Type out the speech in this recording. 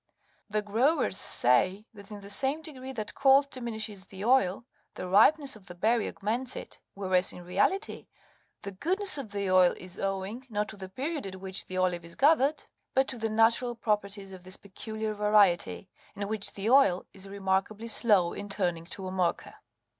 The growers say that in the same degree that cold diminishes the oil, the ripeness of the berry augments it; whereas, in reality, the goodness of the oil is owing, not to the period at which the olives are gathered, but to the natural properties of this peculiar variety, in which the oil is remark ably slow in turning to amurca.